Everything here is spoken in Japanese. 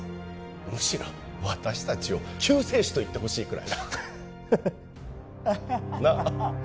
むしろ私達を救世主と言ってほしいくらいだハハッなっ？